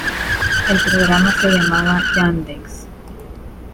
El programa se llamaba "Yandex".